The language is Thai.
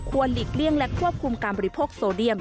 หลีกเลี่ยงและควบคุมการบริโภคโซเดียม